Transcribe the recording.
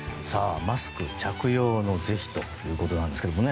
マスク着用の是非ということなんですけども。